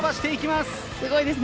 すごいですね。